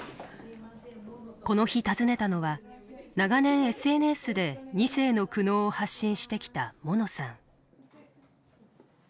この日訪ねたのは長年ＳＮＳで２世の苦悩を発信してきたものさん。